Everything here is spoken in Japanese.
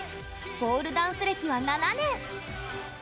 ポールダンス歴は７年。